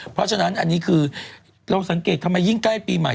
เพราะฉะนั้นอันนี้คือเราสังเกตทำไมยิ่งใกล้ปีใหม่